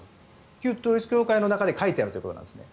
旧統一教会側で書いてあるということですね。